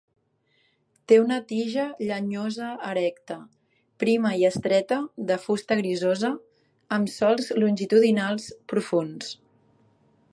Té una tija llenyosa erecta, prima i estreta de fusta grisosa amb solcs longitudinals profunds.